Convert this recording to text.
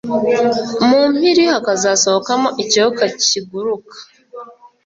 mu mpiri hakazasohokamo ikiyoka kiguruka.